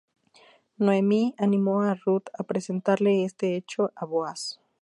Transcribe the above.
Noemí animó a Rut a presentarle este hecho a Boaz.